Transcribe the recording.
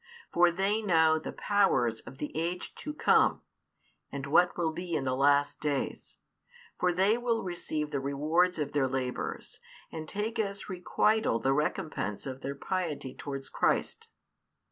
For they know the powers of the age to come, and what will be in the last days; for they will receive the rewards of their labours, and take as requital the recompence of their piety towards Christ.